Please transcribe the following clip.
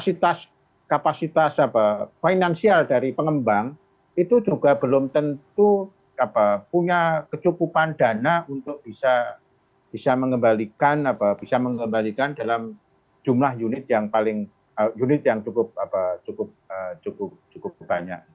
kemudian juga tadi kapasitas finansial dari pengembang itu juga belum tentu punya kecukupan dana untuk bisa mengembalikan dalam jumlah unit yang cukup banyak